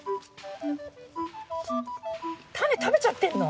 種食べちゃってんの！？